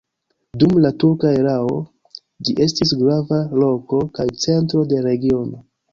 Dum la turka erao ĝi estis grava loko kaj centro de regiono.